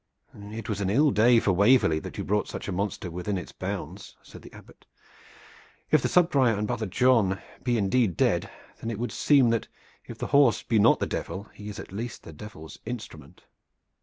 "It was an ill day for Waverley that you brought such a monster within its bounds," said the Abbot. "If the subprior and Brother John be indeed dead, then it would seem that if the horse be not the Devil he is at least the Devil's instrument."